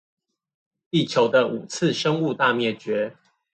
地球的五次生物大滅絕